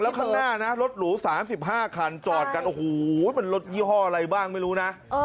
แล้วข้างหน้านะรถหรู๓๕คันจอดกันโอ้โหมันรถยี่ห้ออะไรบ้างไม่รู้นะ